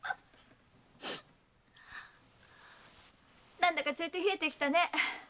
何だかちょいと冷えてきたね。